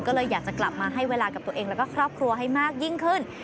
ก็เลยอยากจะกลับมาให้เวลากับตัวเองแล้วก็ครอบครัวให้มากยิ่งขึ้น